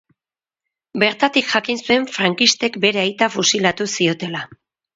Bertatik jakin zuen frankistek bere aita fusilatu ziotela.